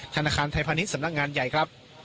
ธนาคารไทยพาณิชย์สำนักงานใหญ่ครับ